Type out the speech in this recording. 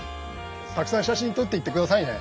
たくさん写真撮っていってくださいね。